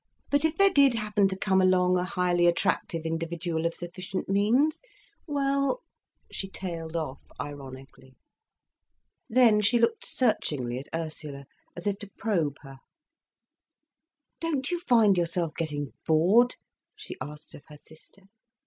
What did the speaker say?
But if there did happen to come along a highly attractive individual of sufficient means—well—" she tailed off ironically. Then she looked searchingly at Ursula, as if to probe her. "Don't you find yourself getting bored?" she asked of her sister.